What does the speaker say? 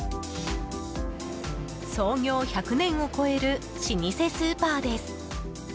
創業１００年を超える老舗スーパーです。